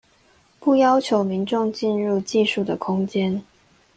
不要求民眾進入技術的空間